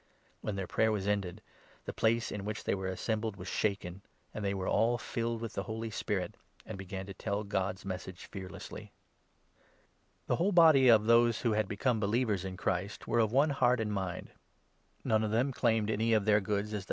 When their prayer was ended, the place in which they were 31 assembled was shaken ; and they were all filled with the Holy Spirit, and began to tell God's Message fearlessly. The Tne wh°le body of those who had become 32 common believers in Christ were of one heart and mind. Fund. Not one of them claimed any of his goods as his WExod. ao. ii. !» a>P..